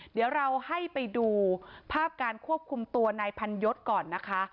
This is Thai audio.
เดี๋ยวเราให้ไปดูภาพการควบคุมตัวนายพันยศก่อนนะคะ